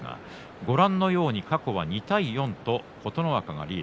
ご覧のように過去は２対４と琴ノ若がリード。